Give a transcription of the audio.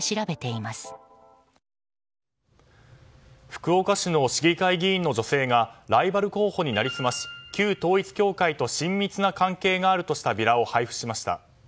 福岡市の市議会議員の女性がライバル候補に成り済まし旧統一教会と親密な関係があるとしたビラを配布しました。